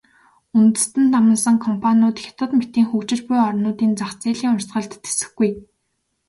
Үндэстэн дамнасан компаниуд Хятад мэтийн хөгжиж буй орнуудын зах зээлийн урсгалд тэсэхгүй.